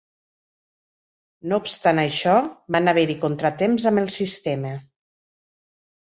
No obstant això, van haver-hi contratemps amb el sistema.